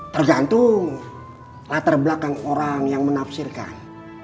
tergantung latar belakang orang yang menafsirkan